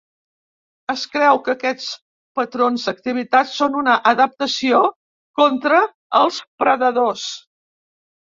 Es creu que aquests patrons d'activitat són una adaptació contra els predadors.